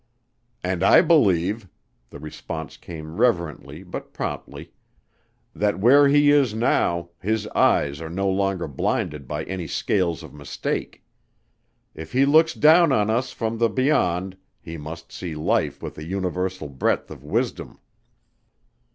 "And I believe," the response came reverently but promptly, "that where he is now his eyes are no longer blinded by any scales of mistake. If he looks down on us from the Beyond, he must see life with a universal breadth of wisdom."